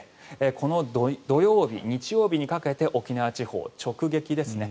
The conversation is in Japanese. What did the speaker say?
この土曜日、日曜日にかけて沖縄地方直撃ですね。